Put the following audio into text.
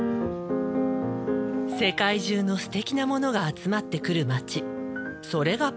世界中のすてきなものが集まってくる街それがパリ。